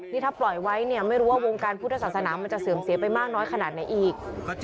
นี่ถ้าปล่อยไว้เนี่ยไม่รู้ว่าวงการพุทธศาสนามันจะเสื่อมเสียไปมากน้อยขนาดไหนอีก